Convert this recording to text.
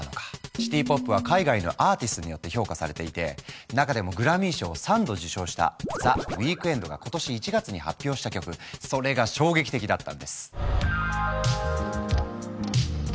シティ・ポップは海外のアーティストによって評価されていて中でもグラミー賞を３度受賞したＴｈｅＷｅｅｋｎｄが今年１月に発表した曲それが衝撃的だったんです。